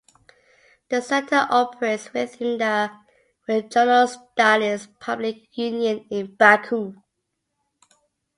The centre operates within the Regional Studies Public Union in Baku.